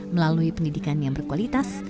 melalui pendidikan yang berkualitas